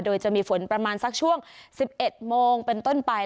โดยจะมีฝนประมาณสักช่วง๑๑โมงเป็นต้นไป